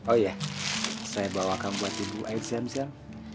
oh iya saya bawakan buat ibu aizam sel